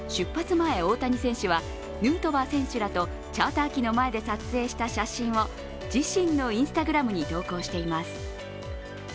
前大谷選手はヌートバー選手らとチャーター機の前で撮影した写真を自身のＩｎｓｔａｇｒａｍに投稿しています